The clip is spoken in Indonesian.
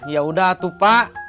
yaudah atuh pak